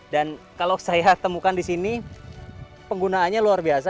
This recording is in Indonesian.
dan kalau saya temukan di sini penggunaannya luar biasa